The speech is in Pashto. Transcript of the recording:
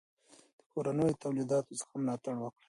د کورنیو تولیداتو څخه ملاتړ وکړئ.